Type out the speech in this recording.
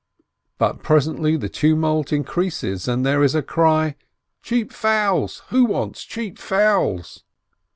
But presently the tumult in creases, there is a cry, "Cheap fowls, who wants cheap fowls?"